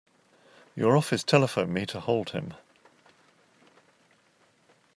Your office telephoned me to hold him.